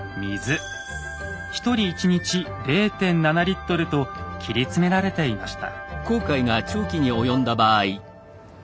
１人１日０．７リットルと切り詰められていました。